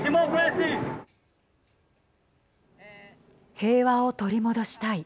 平和を取り戻したい。